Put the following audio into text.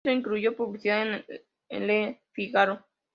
Eso incluyó publicidad en "Le Figaro".